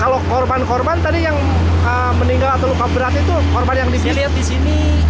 kalau korban korban tadi yang meninggal atau luka berat itu korban yang di sini lihat di sini